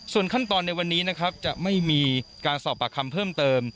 ส่วนขั้นตอนในวันนี้นะครับจะไม่มีการสอบปากคำเพิ่มเติม